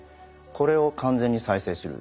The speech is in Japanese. これを完全に再生する。